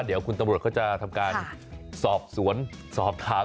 เดี๋ยวคุณตำรวจเขาจะทำการสอบสวนสอบถาม